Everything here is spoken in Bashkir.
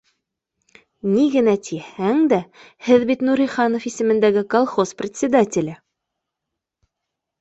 —Ни генә тиһәң дә, һеҙ бит Нуриханов исемендәге колхоз председателе